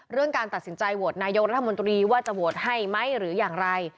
การตัดสินใจโหวตนายกรัฐมนตรีว่าจะโหวตให้ไหมหรืออย่างไร